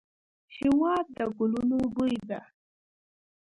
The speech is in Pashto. هېواد د ګلونو بوی دی.